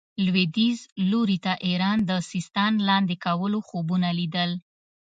لوېدیځ لوري ته ایران د سیستان لاندې کولو خوبونه لیدل.